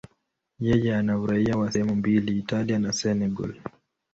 Yeye ana uraia wa sehemu mbili, Italia na Senegal.